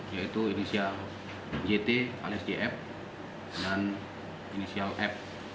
yaitu inisial jt alias jf dan inisial f